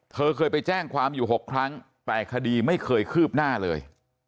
เธอเคยไปแจ้งความอยู่๖ครั้งแต่คดีไม่เคยคืบหน้าเลย